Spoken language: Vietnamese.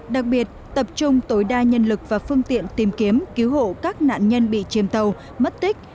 đặc biệt tập trung tối đa nhân lực và phương tiện tìm kiếm cứu hộ các nạn nhân bị chìm tàu mất tích